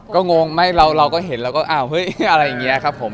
ก็งงไม่เราก็เห็นเราก็อ้าวเฮ้ยอะไรอย่างนี้ครับผม